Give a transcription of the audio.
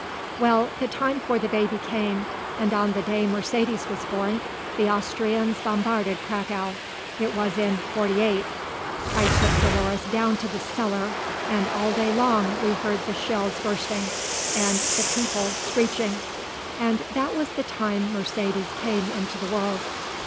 "Well, the time for the baby came and on the day Mercedes was born the Austrians bombarded Cracow; it was in '48. I took Dolores down to the cellar and all day long we heard the shells bursting, and the people screeching. And that was the time Mercedes came into the world.